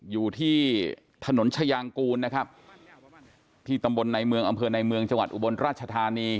อยู่ที่ถนนชายางกูลนะครับที่ตำบลในเมืองอำเภอในเมืองจังหวัดอุบลราชธานี